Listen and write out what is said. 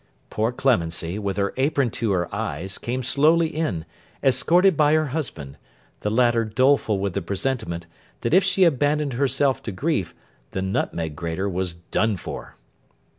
Poor Clemency, with her apron to her eyes, came slowly in, escorted by her husband; the latter doleful with the presentiment, that if she abandoned herself to grief, the Nutmeg Grater was done for.